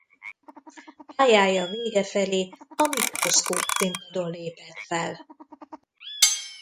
Pályája vége felé a Mikroszkóp Színpadon lépett fel.